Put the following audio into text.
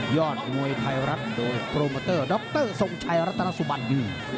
อดมวยไทยรัฐโดยโปรโมเตอร์ดรทรงชัยรัตนสุบันดี